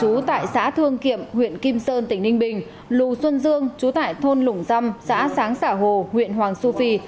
chú tại xã thương kiệm huyện kim sơn tỉnh ninh bình lù xuân dương chú tại thôn lũng dăm xã sáng xả hồ huyện hoàng su phi